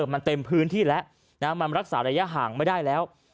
มันเต็มพื้นที่แล้วมันรักษาระยะห่างไม่ได้แล้ว